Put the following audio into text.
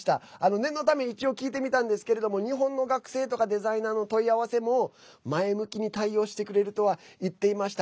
念のために一応、聞いてみたんですけれども日本の学生とかデザイナーの問い合わせも前向きに対応してくれるとは言っていました。